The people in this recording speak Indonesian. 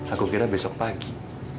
aku kira besok pagi